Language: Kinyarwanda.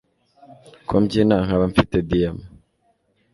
Ko mbyina nkaba mfite diyama